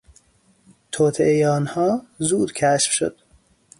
توطئهی آنها زود کشف شد.